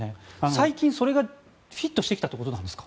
最近それがフィットしてきたんですかね。